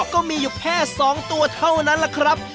ก็มีอยู่แค่๒ตัวเท่านั้นล่ะครับ